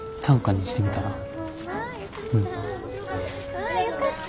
ああよかった。